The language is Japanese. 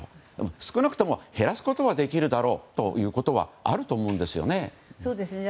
少なくとも減らすことはできるだろうということはあると思うんですよね。